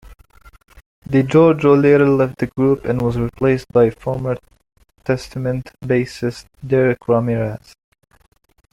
DiGiorgio later left the group and was replaced by former Testament bassist Derrick Ramirez.